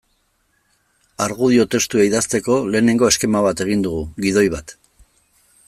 Argudio testua idazteko lehenengo eskema bat egin dugu, gidoi bat.